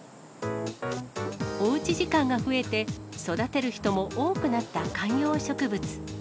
おうち時間が増えて、育てる人も多くなった観葉植物。